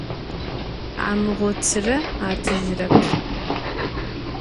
Amığotıre atıjırep.